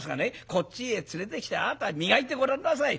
こっちへ連れてきてあなた磨いてごらんなさい。